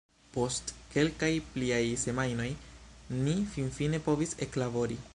Post kelkaj pliaj semajnoj, ni finfine povis eklabori.